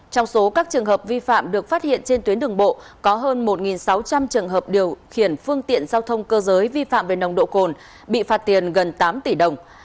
trong số các trường hợp vi phạm được phát hiện trên tuyến đường bộ có hơn một sáu trăm linh trường hợp điều khiển phương tiện giao thông cơ giới vi phạm về nồng độ cồn bị phạt tiền gần tám tỷ đồng